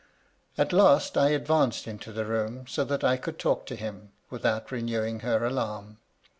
At last I advanced into the room, so that I could talk to him, without renewing her alarm.